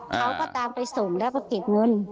เขาก็ตามไปส่งแล้วก็เก็บเงิน